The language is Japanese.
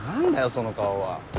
その顔は。